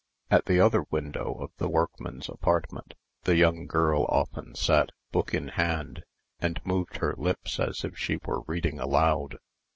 At the other window of the workman's apartment the young girl often sat, book in hand, and moved her lips as if she were reading aloud.